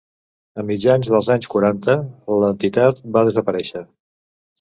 A mitjans dels anys quaranta, l'entitat va desaparèixer.